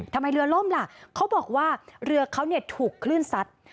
ทำไมเรือล่มล่ะเขาบอกว่าเรือเขาถูกคลื่นสัตว์